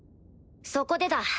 そこでだ